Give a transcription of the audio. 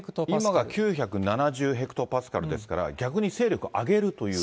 今が９７０ヘクトパスカルですから、逆に勢力を上げるという